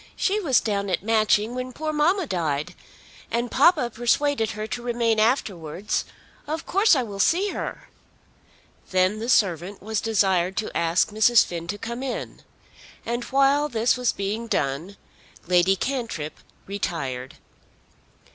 She was down at Matching when poor mamma died. And papa persuaded her to remain afterwards. Of course I will see her." Then the servant was desired to ask Mrs. Finn to come in; and while this was being done Lady Cantrip retired. Mrs.